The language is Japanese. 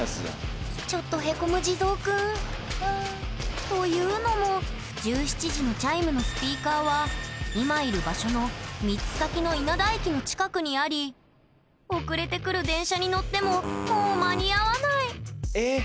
ちょっとヘコむ地蔵くん。というのも１７時のチャイムのスピーカーは今いる場所の３つ先の稲田駅の近くにあり遅れてくる電車に乗ってももう間に合わないえっ！